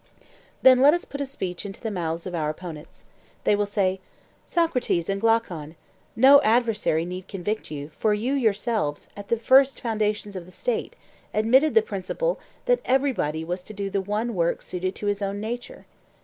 Then let us put a speech into the mouths of our opponents. They will say: 'Socrates and Glaucon, no adversary need convict you, for you yourselves, at the first foundation of the State, admitted the principle that everybody was to do the one work suited to his own nature.